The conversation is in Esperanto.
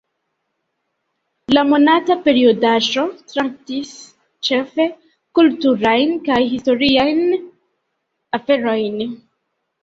La monata periodaĵo traktis ĉefe kulturajn kaj historiajn aferojn.